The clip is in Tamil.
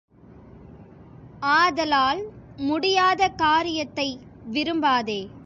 ஆதலால் முடியாத காரியத்தை விரும்பாதே.